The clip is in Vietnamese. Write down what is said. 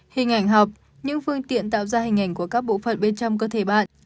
hình ảnh học những phương tiện tạo ra hình ảnh của các bộ phận bên trong cơ thể bạn